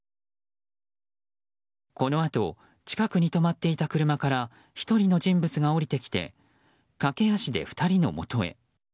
このあと近くに止まっていた車から１人の人物が降りてきて駆け足で２人のもとへ。